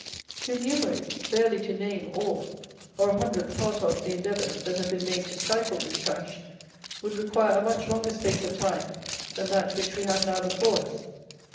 To enumerate, barely to name, all, or a hundredth part of, the endeavours that have been made to stifle this Trash would require a much longer space of time than that which we have now before us.